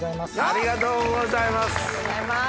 ありがとうございます。